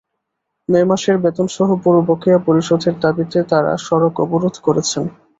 মে মাসের বেতনসহ পুরো বকেয়া পরিশোধের দাবিতে তাঁরা সড়ক অবরোধ করেছেন।